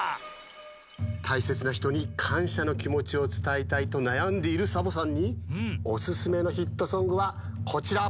大切なひとに感謝の気持ちを伝えたいとなやんでいるサボさんにおすすめのヒットソングはこちら！